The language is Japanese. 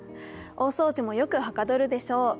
大掃除もよくはかどるでしょう。